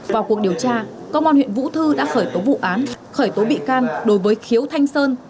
vào cuộc điều tra công an huyện vũ thư đã khởi tố vụ án khởi tố bị can đối với khiếu thanh sơn